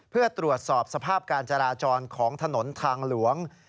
เพื่อตรวจสอบสภาพการจราจรของถนนทางหลวง